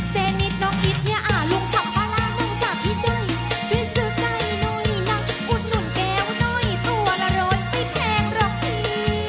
เซนิสน้องอิสเนี่ยอ่าลุงขับพลานั่งจากพี่จ้อยช่วยซื้อใกล้หน่อยนั่งอุ่นนุ่นแก้วหน่อยตัวละโรดไม่แพงหรอกนี่